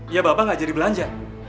ya bapak ngajari belanja